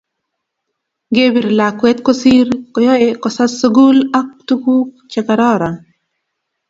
ngepir lakuet kosir koyaei kosas sukul ak tukuk chekararan